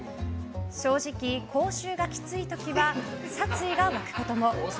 正直、口臭がきつい時は殺意が湧くことも。